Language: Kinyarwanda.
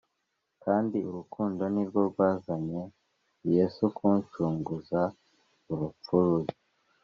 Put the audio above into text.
Kandi urukundo nirwo rwazanjye yesu kunshunguza urupfu rubi